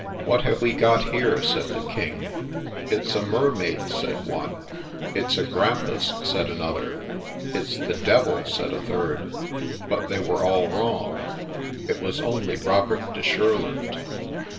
' What have we got here ?' said the King. ' It 's a mermaid,' "said one. ' It 's a grampus,' said another. ' It' s the devil,' said a third. But they were all wrong ; it was only Robert de Shurland.